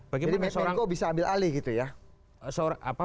jadi menko bisa ambil alih gitu ya